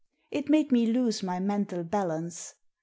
It made me lose my mental balance.